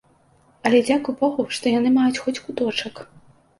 Але дзякуй богу, што яны маюць хоць куточак.